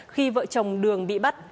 khi vợ chồng đường bị bắt